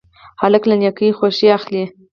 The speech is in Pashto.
هلک له نیکۍ خوښي اخلي.